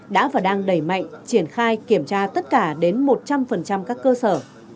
đã và đang đẩy mạnh triển khai kiểm tra tất cả đến một trăm linh các cơ sở